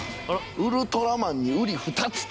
ウルトラマンにうり二つと。